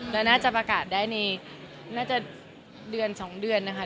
แล้วน่าจะประกาศได้น่าจะเดือน๒เดือนนะคะ